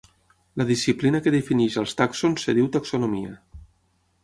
La disciplina que defineix als tàxons es diu taxonomia.